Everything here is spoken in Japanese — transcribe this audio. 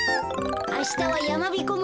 あしたはやまびこ村